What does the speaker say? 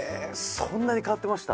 そんなに変わってました？